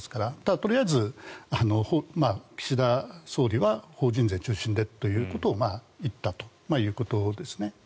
とりあえず岸田総理は法人税中心でということを言ったということですね。